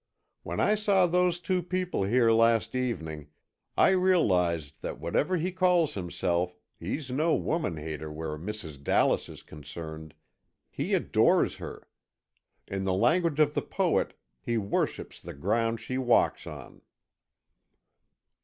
When I saw those two people here last evening, I realized that whatever he calls himself, he's no woman hater where Mrs. Dallas is concerned. He adores her; in the language of the poet, he worships the ground she walks on."